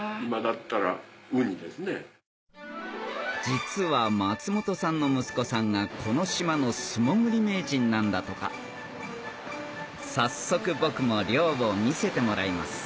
実は松本さんの息子さんがこの島の素潜り名人なんだとか早速僕も漁を見せてもらいます